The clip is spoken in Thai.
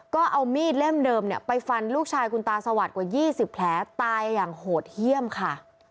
ก็เอามีดเล่มเดิมเนี่ยไปฟันลูกชายคุณตาสวัสดิ์กว่า๒๐แผลตายอย่างโหดเยี่ยมค่ะ